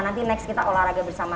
nanti next kita olahraga bersama